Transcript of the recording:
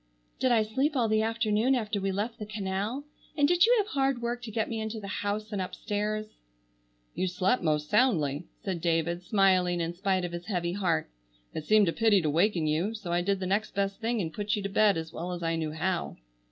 "Did I sleep all the afternoon after we left the canal? And did you have hard work to get me into the house and upstairs?" "You slept most soundly," said David, smiling in spite of his heavy heart. "It seemed a pity to waken you, so I did the next best thing and put you to bed as well as I knew how."